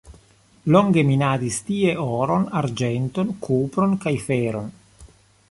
Longe minadis tie oron, arĝenton, kupron kaj feron.